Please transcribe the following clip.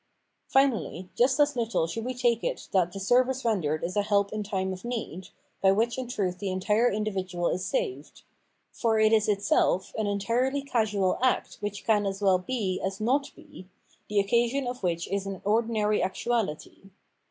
Finally, just as httle should we take it that the service rendered is a help in time of need, by which in truth the entire individual is saved ; for it is itself an entirely casual act which can as well be as not be, the occasion of which is an ordinary actuality.